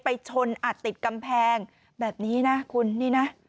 ชนอัดติดกำแพงแบบนี้นะคุณนี่นะ